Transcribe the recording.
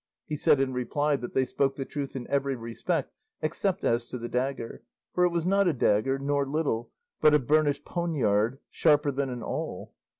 He said in reply that they spoke the truth in every respect except as to the dagger, for it was not a dagger, nor little, but a burnished poniard sharper than an awl."